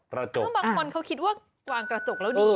เพราะบางคนเขาคิดว่าวางกระจกแล้วดี